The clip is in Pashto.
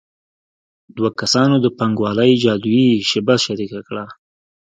دوه کسانو د پانګوالۍ جادويي شیبه شریکه کړه